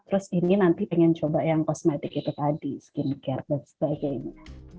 terus ini nanti pengen coba yang kosmetik itu tadi skincare dan sebagainya